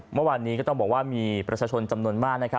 เมื่อวานนี้ก็ต้องบอกว่ามีประชาชนจำนวนมาก